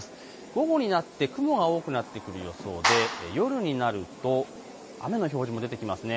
午後になって雲が多くなってくる予想で夜になると雨の表示も出てきます。